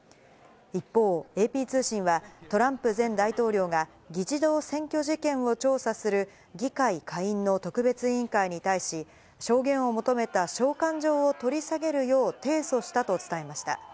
一方、ＡＰ通信は、トランプ前大統領が、議事堂占拠事件を調査する議会下院の特別委員会に対し、証言を求めた召喚状を取り下げるよう提訴したと伝えました。